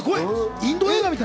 インド映画みたい。